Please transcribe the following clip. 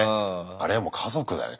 あれはもう家族だね